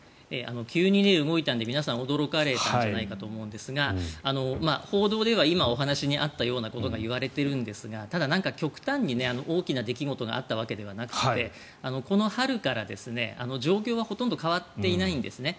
急に動いたので皆さん、驚かれたんじゃないかと思いますが報道では今、お話にあったようなことが言われているんですがただ、極端に大きな出来事があったわけではなくてこの春から状況はほとんど変わっていないんですね。